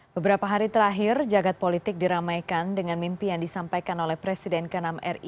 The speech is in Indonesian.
beberapa hari terakhir jagad politik diramaikan dengan mimpi yang disampaikan oleh presiden ke enam ri